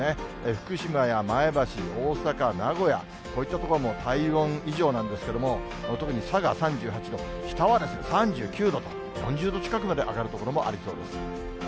福島や、前橋、大阪、名古屋、こういった所も体温以上なんですけれども、特に佐賀３８度、北は３９度と、４０度近くまで上がる所もありそうです。